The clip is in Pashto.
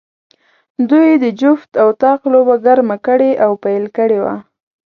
دوی د جفت او طاق لوبه ګرمه کړې او پیل کړې وه.